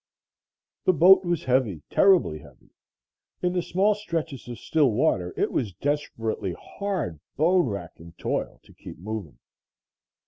The boat was heavy terribly heavy. In the small stretches of still water it was desperately hard, bone racking toil to keep moving.